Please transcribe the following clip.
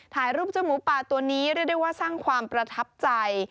ถ่ายรูปเจ้าหมูป่าตัวนี้เรียกได้ว่าสร้างความประทับใจ